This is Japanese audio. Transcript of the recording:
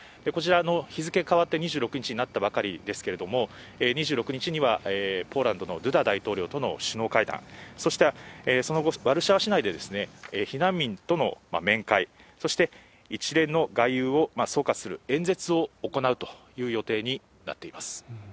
こちらの日付変わって２６日になったばかりですけれども、２６日にはポーランドのドゥダ大統領との首脳会談、そしてその後ワルシャワ市内で避難民との面会、そして一連の外遊を総括する演説を行うという予定になっています。